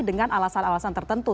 dengan alasan alasan tertentu